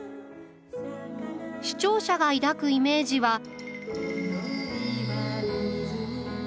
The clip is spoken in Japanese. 視聴者が抱くイメージは。